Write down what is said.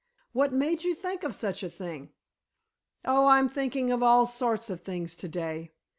What made you think of such a thing?" "Oh, I'm thinking of all sorts of things to day.